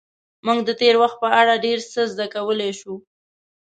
موږ د تېر وخت په اړه ډېر څه زده کولی شو.